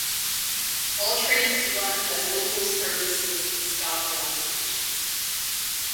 All trains run as local services and stop at all stations.